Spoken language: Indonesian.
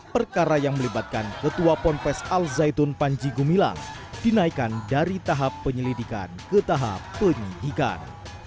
perkara yang melibatkan ketua pompes al zaitun panji gumilang dinaikkan dari tahap penyelidikan ke tahap penyidikan